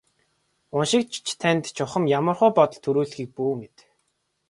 Уншигч танд чухам ямархуу бодол төрүүлэхийг бүү мэд.